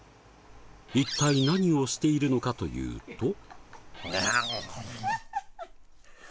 一体何をしているのかというと。